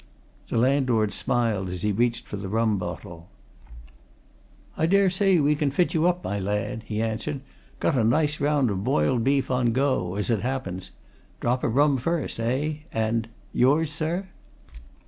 The landlord smiled as he reached for the rum bottle. "I daresay we can fit you up, my lad," he answered. "Got a nice round of boiled beef on go as it happens. Drop of rum first, eh? And yours sir?"